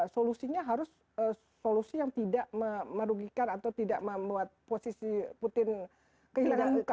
solusinya harus solusi yang tidak merugikan atau tidak membuat posisi putin kehilangan muka